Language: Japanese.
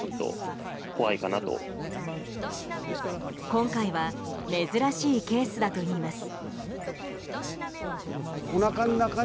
今回は珍しいケースだといいます。